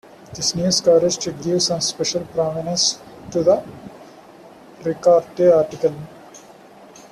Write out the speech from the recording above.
This news coverage did give some special prominence to the Ricaurte article.